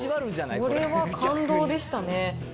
これは感動でしたね。